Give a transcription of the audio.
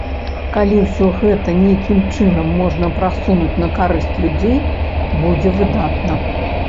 Калі ўсё гэта нейкім чынам можна прасунуць на карысць людзей, будзе выдатна.